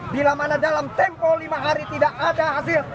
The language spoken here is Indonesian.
bila mana dalam tempo lima hari tidak ada hasil